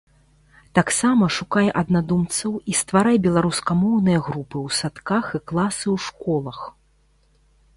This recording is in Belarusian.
Таксама шукай аднадумцаў і стварай беларускамоўныя групы ў садках і класы ў школах.